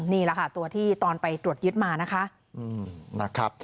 นี่แหละค่ะตัวที่ตอนไปตรวจยึดมานะคะ